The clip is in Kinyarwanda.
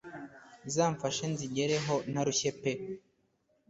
izamfashe nzigereho ntarushye pe